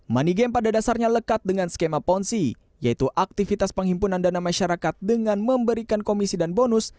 money game pada dasarnya lekat dengan skema ponzi yaitu aktivitas penghimpunan dana masyarakat dengan memberikan komisi dan bonus